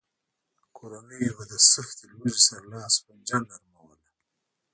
کورنیو به له سختې لوږې سره لاس و پنجه نرموله.